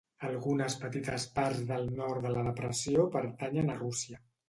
Algunes petites parts del nord de la depressió pertanyen a Rússia.